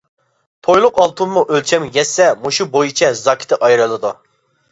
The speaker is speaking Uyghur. تويلۇق ئالتۇنمۇ ئۆلچەمگە يەتسە، مۇشۇ بويىچە زاكىتى ئايرىلىدۇ.